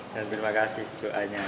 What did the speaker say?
dan terima kasih juanya